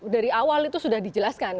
dari awal itu sudah dijelaskan